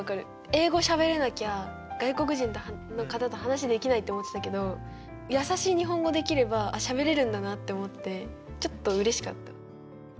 英語しゃべれなきゃ外国人の方と話できないと思ってたけどやさしい日本語できればあっしゃべれるんだなって思ってちょっとうれしかった。